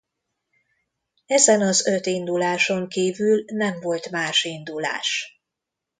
Ezen az öt induláson kívül nem volt más indulás.